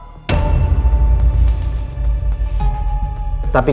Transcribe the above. tapi pak aldebaran